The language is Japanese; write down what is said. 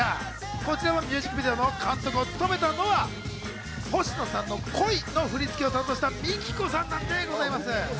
こちらのミュージックビデオの監督を務めたのは、星野さんの『恋』の振り付けを担当したＭＩＫＩＫＯさんなんでございます。